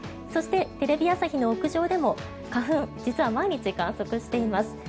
そして、テレビ朝日の屋上でも花粉、実は毎日観測しています。